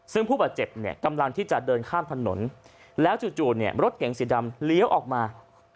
ซึ่งผู้บาดเจ็บเนี่ยกำลังที่จะเดินข้ามถนนแล้วจู่เนี่ยรถเก๋งสีดำเลี้ยวออกมา